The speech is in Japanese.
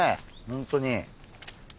本当に。